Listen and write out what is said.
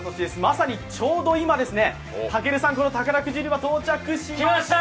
まさにちょうど今、たけるさん宝くじ売り場に到着しました。